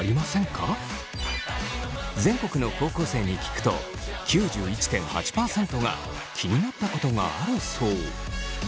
全国の高校生に聞くと９１．８％が気になったことがあるそう。